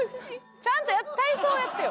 ちゃんと体操をやってよ。